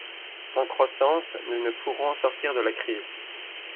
Sans croissance, nous ne pourrons sortir de la crise.